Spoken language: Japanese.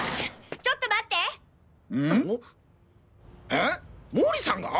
えっ毛利さんが！？